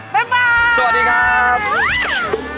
บ๊ายบายสวัสดีครับบ๊ายบายสวัสดีครับ